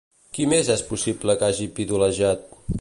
Qui més és possible que hagi pidolejat?